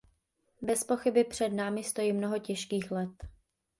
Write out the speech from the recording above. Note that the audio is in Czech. Bezpochyby před námi stojí mnoho těžkých let.